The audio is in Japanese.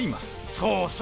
そうそう！